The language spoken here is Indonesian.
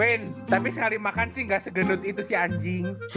wayne tapi sehari makan sih gak se gendut itu si anjing